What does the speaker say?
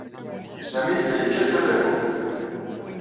Sami yella yekkat tadakumt.